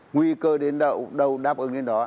nguy cơ đến đâu đâu đáp ứng đến đó